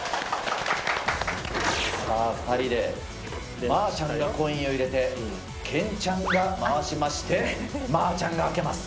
さあ、２人で、まぁちゃんがコインを入れて、ケンちゃんが回しまして、まぁちゃんが開けます。